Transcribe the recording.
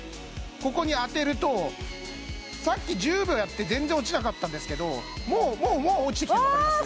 ここに当てるとさっき１０秒やって全然落ちなかったんですけどもう落ちてきたのわかります？